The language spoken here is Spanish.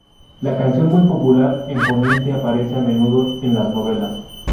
La canción, muy popular en Poniente, aparece a menudo en las novelas.